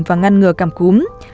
và ngăn ngừa cảm cúm